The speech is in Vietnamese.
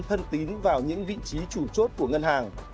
thân tín vào những vị trí chủ chốt của ngân hàng